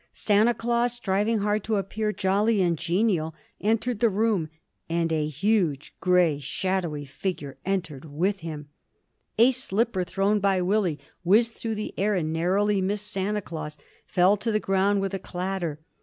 Santa Claus, striving hard to appear jolly and genial, entered the room, and a huge grey, shadowy figure entered with him. A slipper thrown by Willie whizzed through the air, and, narrowly missing Santa Claus, fell to the ground with a clatter.